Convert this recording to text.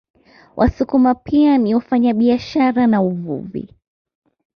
Wasukuma pia ni wafanyabiashara na uvuvi